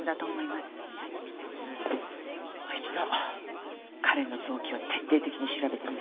もう一度彼の臓器を徹底的に調べてみる。